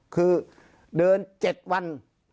คือเดิน๗วัน